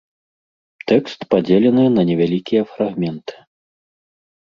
Тэкст падзелены на невялікія фрагменты.